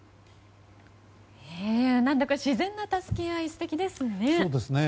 何だか自然な助け合い素敵ですね。